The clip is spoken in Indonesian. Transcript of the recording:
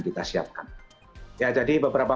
kita siapkan jadi beberapa